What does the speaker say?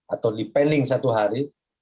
atau di pending satu hari